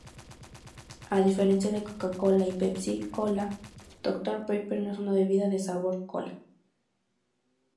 A diferencia de Coca-Cola y Pepsi-Cola, Dr Pepper no es una bebida sabor "cola".